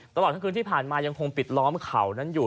ตลอดทั้งคืนที่ผ่านมายังคงปิดล้อมเขานั้นอยู่